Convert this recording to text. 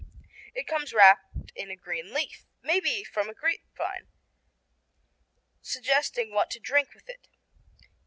It comes wrapped in a green leaf, maybe from a grape vine, suggesting what to drink with it.